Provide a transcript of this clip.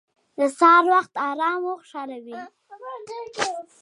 سهار وخت ارام او خوشحاله وي.